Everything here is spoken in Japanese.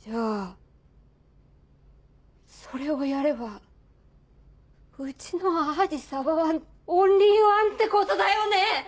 じゃあそれをやればうちのアジサバはオンリーワンってことだよね！